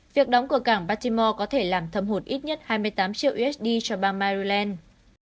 việc đóng cửa cảng batimore có thể làm thâm hụt ít nhất hai mươi tám triệu usd cho bang miuland